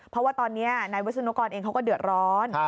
เพราะว่าตอนนี้นายวิศนุกรเองเขาก็เดือดร้อน